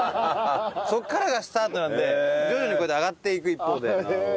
そこからがスタートなんで徐々にこうやって上がっていく一方で。